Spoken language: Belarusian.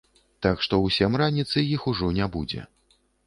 Так што ў сем раніцы іх ужо не будзе.